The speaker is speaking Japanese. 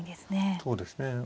そうですね。